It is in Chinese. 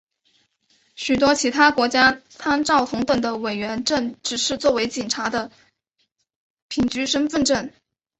许多其他国家参照同等的委任证只是作为警察的凭据身份证。